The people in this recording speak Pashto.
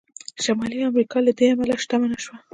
شمالي امریکا له دې امله شتمنه شوه.